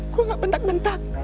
gue nggak bentak bentak